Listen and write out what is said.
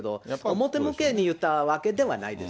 表向けに言ったわけではないです